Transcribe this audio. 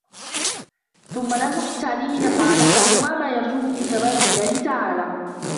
ثُمَّ لَهُ بِالتَّعْلِيمِ نَفْعَانِ أَحَدُهُمَا مَا يَرْجُوهُ مِنْ ثَوَابِ اللَّهِ تَعَالَى